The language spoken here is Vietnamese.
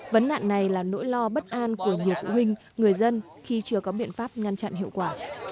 vấn nạn này là nỗi lo bất an của nhiều phụ huynh người dân khi chưa có biện pháp ngăn chặn hiệu quả